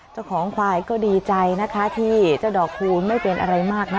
เจ้าของควายก็ดีใจนะคะที่เจ้าดอกคูณไม่เป็นอะไรมากนะ